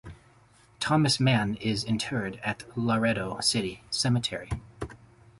Thomas Mann is interred at Laredo City Cemetery.